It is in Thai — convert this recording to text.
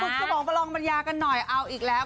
สมองประลองปัญญากันหน่อยเอาอีกแล้ว